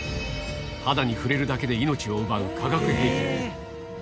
肌に触れるだけで命を奪う化学兵器だ。